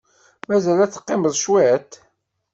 Mazal ad teqqimeḍ cwiṭ?